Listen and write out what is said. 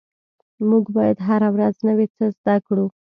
مونږ باید هره ورځ نوي څه زده کړو